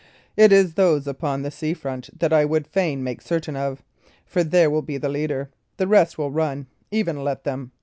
It is those upon the sea front that I would fain make certain of, for there will be the leader. The rest will run; even let them.